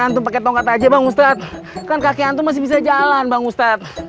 untuk ketongkat aja bang ustadz kaki antum masih bisa jalan bang ustadz